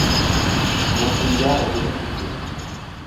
Son ancienne gare est désaffectée.